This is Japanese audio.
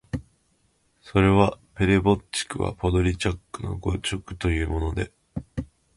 それは「ペレヴォッチクはポドリャッチクの誤植」というので、